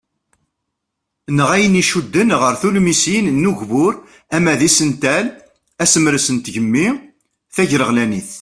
Neɣ ayen iccuden ɣer tulmisin n ugbur ama d isental, asemres n tgemmi ,tagreɣlanit.